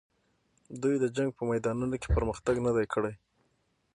دوی د جنګ په میدانونو کې پرمختګ نه دی کړی.